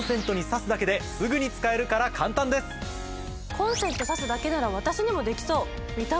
コンセント挿すだけなら私にもできそう。